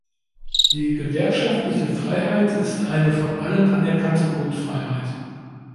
Die gewerkschaftliche Freiheit ist eine von allen anerkannte Grundfreiheit.